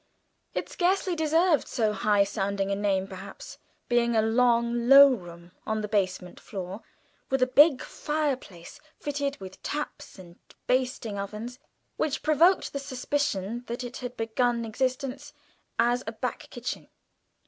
It scarcely deserved so high sounding a name perhaps, being a long low room on the basement floor, with a big fireplace, fitted with taps, and baking ovens, which provoked the suspicion that it had begun existence as a back kitchen.